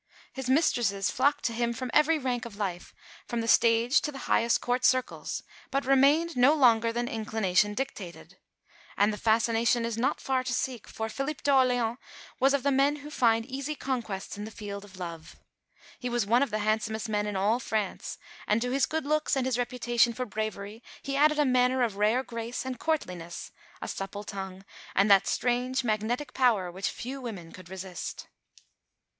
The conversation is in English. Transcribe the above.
His mistresses flocked to him from every rank of life, from the stage to the highest Court circles, but remained no longer than inclination dictated. And the fascination is not far to seek, for Philippe d'Orléans was of the men who find easy conquests in the field of love. He was one of the handsomest men in all France; and to his good looks and his reputation for bravery he added a manner of rare grace and courtliness, a supple tongue, and that strange magnetic power which few women could resist.